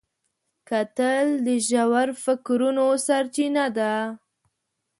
کتل د ژور فکرونو سرچینه ده